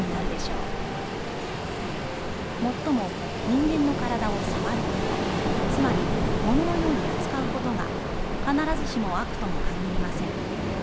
「もっとも、人間の体を『さわる』こと、つまり物のように扱うことが必ずしも『悪』とも限りません」。